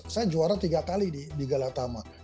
saya juara tiga kali di galatama